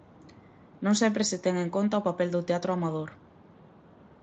Non sempre se ten en conta o papel do teatro amador.